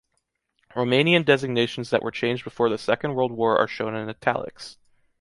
Romanian designations that were changed before the Second World War are shown in "italics."